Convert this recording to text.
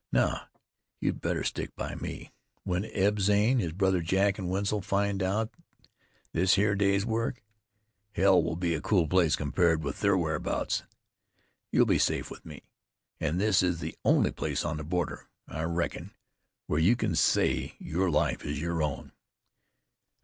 Now you'd better stick by me. When Eb Zane, his brother Jack, an' Wetzel find out this here day's work, hell will be a cool place compared with their whereabouts. You'll be safe with me, an' this is the only place on the border, I reckon, where you can say your life is your own."